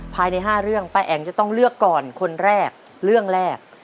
ภายใน๕เรื่องป้าแอ๋งจะต้องเลือกก่อนคนแรกเรื่องแรก